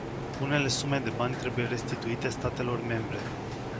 Unele sume de bani trebuie restituite statelor membre.